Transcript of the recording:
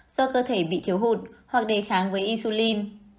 do cơ thể bị thiếu hụt hoặc đề kháng với isulin